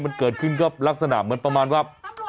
มันเกิดขึ้นก็ลักษณะเหมือนประมาณว่า